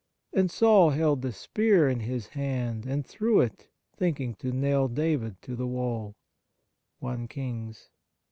... And Saul held a spear in his hand and threw it, thinking to nail David to the wall " (i Kings).